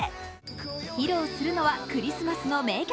披露するのはクリスマスの名曲。